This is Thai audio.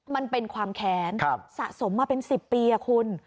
มันเป็นความแค้นสะสมมาเป็น๑๐ปีคุณ